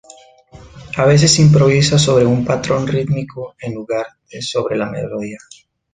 A veces improvisa sobre un patrón rítmico en lugar de sobre la melodía".